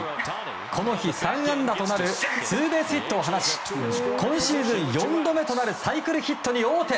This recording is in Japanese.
この日３安打となるツーベースヒットを放ち今シーズン４度目となるサイクルヒットに王手。